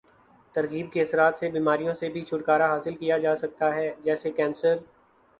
ترغیب کے اثرات سے بیماریوں سے بھی چھٹکارا حاصل کیا جاسکتا ہے جیسے کینسر